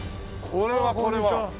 これはこれは。